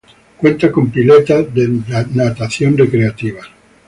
Cuenta con piletas de natación recreativas.